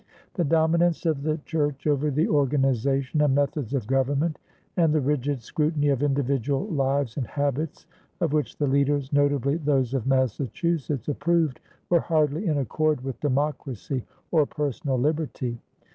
The dominance of the church over the organization and methods of government and the rigid scrutiny of individual lives and habits, of which the leaders, notably those of Massachusetts, approved, were hardly in accord with democracy or personal liberty.